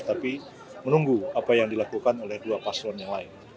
tapi menunggu apa yang dilakukan oleh dua paslon yang lain